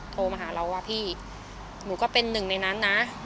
โทรมาหาเราว่าพี่หนูก็เป็นหนึ่งในนั้นนะ